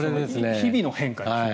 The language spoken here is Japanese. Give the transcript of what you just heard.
日々の変化ですね。